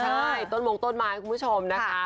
ใช่ต้นมงต้นไม้คุณผู้ชมนะคะ